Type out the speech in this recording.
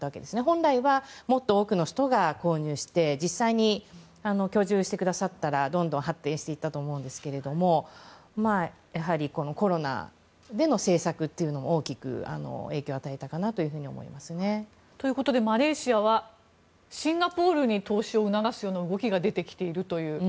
本来はもっと多くの人が購入して実際に居住してくださったらどんどん発展していったと思うんですけれどもやはりコロナでの政策が大きく影響を与えたかなと思いますね。ということでマレーシアはシンガポールに投資を促すような動きが出てきているという。